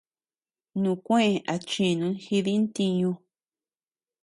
Nukue achinu jidi ntiñu.